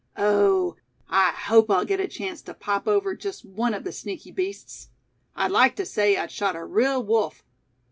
"Oh! I hope I'll get a chance to pop over just one of the sneaky beasts. I'd like to say I'd shot a real wolf.